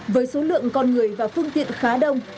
với số lượng con người và phương tiện khá đông